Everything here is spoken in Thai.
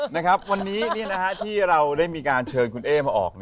นะครับวันนี้แบบนี้นะฮะที่เราได้มีการเชิญแค่ออกเนี่ย